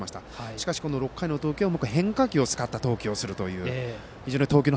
しかし６回の投球は変化球を使った投球をするという。